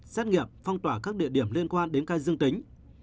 xét nghiệm phong tỏa các địa điểm liên quan đến ca dương tính